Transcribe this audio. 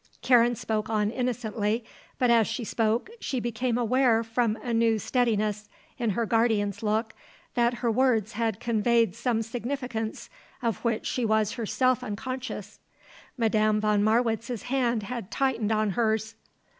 Karen spoke on innocently; but, as she spoke, she became aware from a new steadiness in her guardian's look, that her words had conveyed some significance of which she was herself unconscious. Madame von Marwitz's hand had tightened on hers.